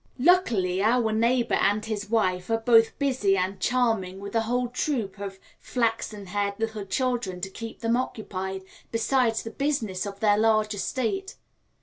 Luckily, our neighbour and his wife are both busy and charming, with a whole troop of flaxenhaired little children to keep them occupied, besides the business of their large estate.